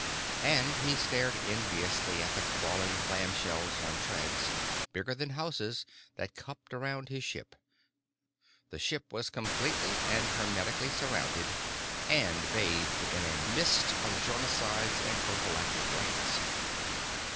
And he stared enviously at the crawling clamshells on treads, bigger than houses, that cupped around his ship; the ship was completely and hermetically surrounded, and bathed in a mist of germicides and prophylactic rays.